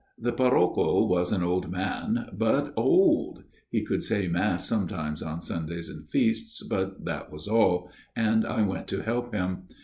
" The parrocho was an old man, but old ! He could say Mass sometimes on Sundays and feasts, but that was all, and I went to help him.